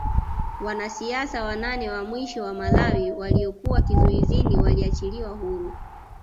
Wanasiasa wanane wa mwisho wa Malawi waliokuwa kizuizini waliachiliwa huru